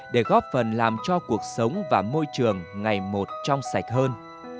để góp phần làm cho cuộc sống và môi trường ngày một trong sạch hơn